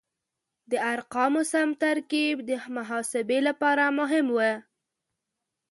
د ارقامو سم ترکیب د محاسبې لپاره مهم و.